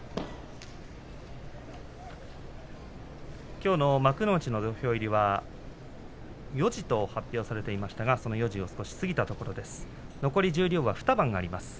きょうの幕内の土俵入りは４時と発表されていましたがその４時を少し過ぎてしまいました。